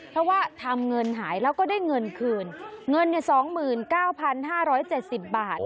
เพราะว่าทำเงินหายแล้วก็ได้เงินคืนเงินเลยสองหมื่นเก้าพันห้าร้อยเจ็ดสิบบาท